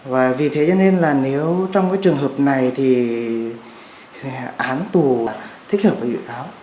và vì thế cho nên là nếu trong cái trường hợp này thì án tù là thích hợp với bị cáo